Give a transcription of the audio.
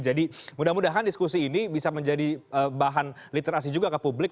jadi mudah mudahan diskusi ini bisa menjadi bahan literasi juga ke publik